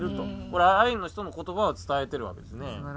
これアイヌの人の言葉を伝えてるわけですね。